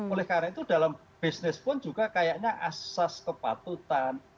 oleh karena itu dalam bisnis pun juga kayaknya asas kepatutan